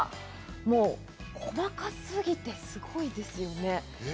細かすぎてすごいですよね。